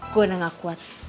gue udah gak kuat